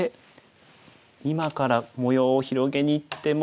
今から模様を広げにいっても。